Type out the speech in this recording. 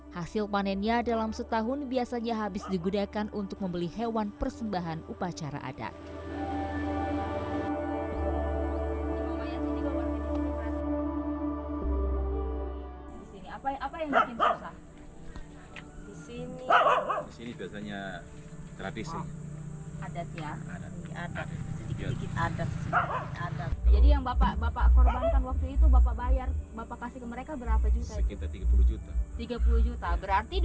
hasil panennya dalam setahun biasanya habis digunakan untuk membeli hewan persembahan upacara adat